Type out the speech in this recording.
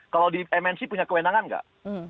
kalau di mnc punya kewenangan nggak